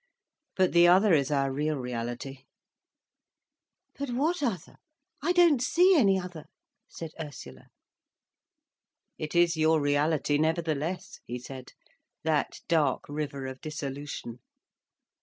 But the other is our real reality—" "But what other? I don't see any other," said Ursula. "It is your reality, nevertheless," he said; "that dark river of dissolution.